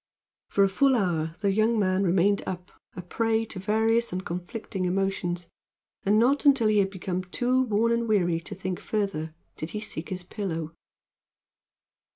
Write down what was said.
For a full hour the young man remained up, a prey to various and conflicting emotions, and not until he had become too worn and weary to think further did he seek his pillow.